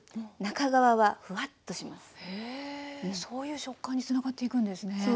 そういう食感につながっていくんですね。